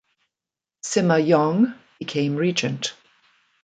Sima Yong became regent.